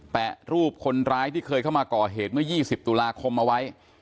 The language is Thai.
แปะรูปคนร้ายที่เคยเข้ามาก่อเหตุเมื่อ๒๐ตุลาคมเอาไว้